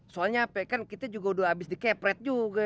soalnya ape kan kita juga udah abis di cap rate juga